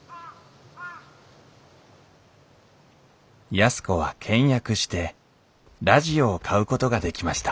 安子は倹約してラジオを買うことができました